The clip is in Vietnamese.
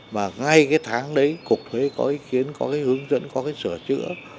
và ngay cái tháng đấy cục thuế có ý kiến có cái hướng dẫn có cái sửa chữa